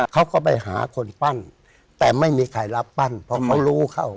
เขาก็ไปหาคนปั้นแต่ไม่มีใครรับปั้นเพราะเขารู้เข้า